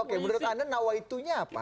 oke menurut anda nawaitunya apa